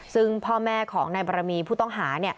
ซึ่งพ่อแม่ของนายบรมีผู้ต้องหา